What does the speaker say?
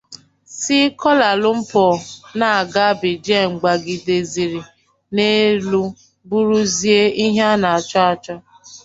si Kụala Lụmpọ na-aga Beijing gbagidere n'elu bụrụzie ịhe a na-achọ achọ.